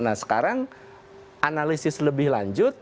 nah sekarang analisis lebih lanjut